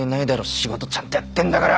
仕事ちゃんとやってんだから！